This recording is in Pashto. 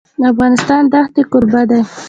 افغانستان د ښتې کوربه دی.